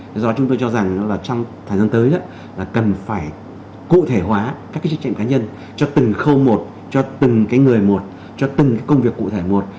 do đó chúng tôi cho rằng là trong thời gian tới là cần phải cụ thể hóa các cái trách nhiệm cá nhân cho từng khâu một cho từng cái người một cho từng công việc cụ thể một